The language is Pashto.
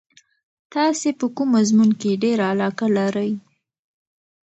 تاسې په کوم مضمون کې ډېره علاقه لرئ؟